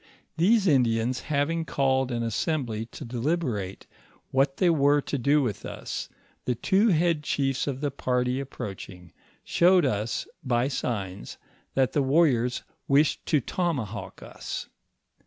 These Indians having called an assembly to deliberate what they were to do with us ; the two head chiefs of the party approaching, showed us, by signs, that the warriors wished to tomahawk us.